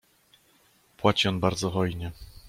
"Płaci on bardzo hojnie."